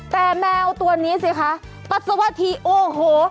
แต่แมวตัวนี้สิคะปัสสาวะทีโอ้โห